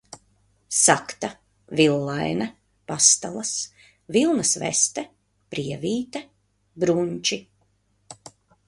Sakta, villaine, pastalas, vilnas veste, prievīte, brunči.